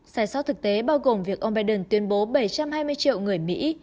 sai sót thực tế bao gồm việc ông biden tuyên bố bảy trăm hai mươi triệu người mỹ